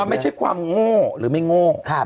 ไม่ใช่ความโง่หรือไม่โง่